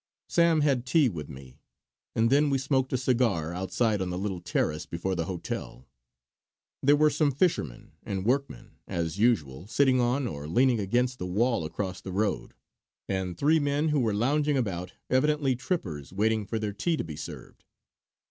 Sam had tea with me, and then we smoked a cigar outside on the little terrace before the hotel. There were some fishermen and workmen, as usual sitting on or leaning against the wall across the road, and three men who were lounging about, evidently trippers waiting for their tea to be served.